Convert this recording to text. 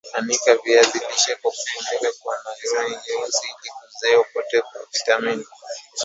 Anika viazi lishe kwa kufunika na naironi nyeusi ili kuzuia upotevu wa vitamini